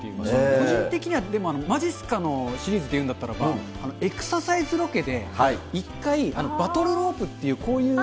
個人的には、でもまじっすかのシリーズでいうんだったら、エクササイズロケで、一回、バトルローやったね。